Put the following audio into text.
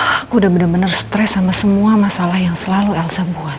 aku udah bener bener stres sama semua masalah yang selalu elsa buat